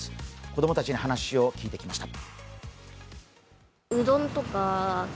子供たちに話を聞いてきました。